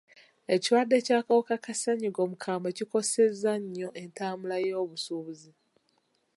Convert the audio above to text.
Ekirwadde ky'akawuka ka ssenyiga omukambwe kikosezza nnyo entambula y'obusuubuzi.